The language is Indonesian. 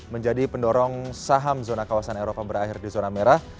menjadi pendorong saham zona kawasan eropa berakhir di zona merah